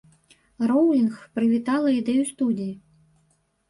Роўлінг прывітала ідэю студыі.